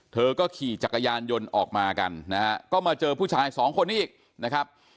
เธอก็ขี่จักรยานยนต์ออกมากันนะฮะก็มาเจอผู้ชายสองคนนี้อีกนะครับ